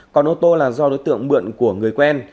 còn ô tô là do đối tượng mượn của người quen